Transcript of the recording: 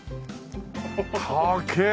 高え。